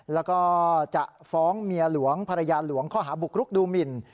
แล้วก็จะฟ้องเมียหลวงภรรยาหลวงข้อหาบุกรุกดูหมิน